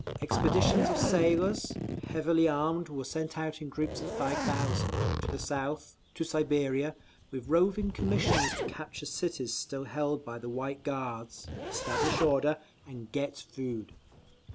Expeditions of sailors, heavily armed, were sent out in groups of five thousand, to the South, to Siberia, with roving commissions to capture cities still held by the White Guards, establish order, and _get food.